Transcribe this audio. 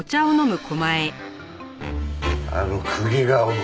あの公家顔の。